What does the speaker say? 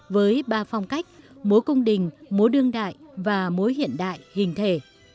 với ba phong cách múa cung đình múa đương đại và múa hiện đại hình thể